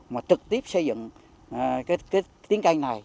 mà trực tiếp xây dựng cái tiến canh này